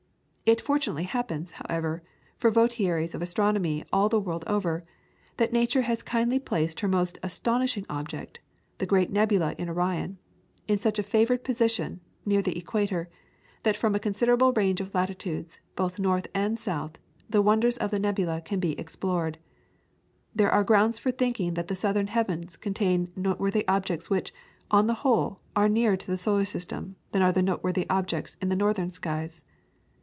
It fortunately happens, however, for votaries of astronomy all the world over, that Nature has kindly placed her most astounding object, the great Nebula in Orion, in such a favoured position, near the equator, that from a considerable range of latitudes, both north and south, the wonders of the Nebula can be explored. There are grounds for thinking that the southern heavens contain noteworthy objects which, on the whole, are nearer to the solar system than are the noteworthy objects in the northern skies.